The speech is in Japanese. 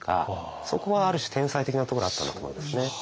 そこはある種天才的なところあったんだと思いますね。